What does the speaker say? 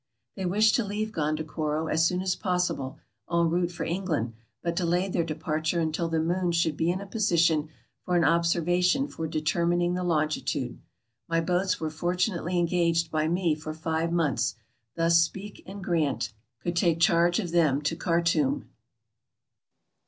They wished to leave Gondokoro as soon as possible, en route for England, but delayed their departure until the moon should be in a position for an observation for determining the longitude. My boats were fortunately engaged by me for five months, thus Speke and Grant could take charge of them to Khartoum.